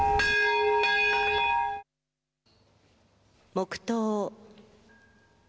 黙とう。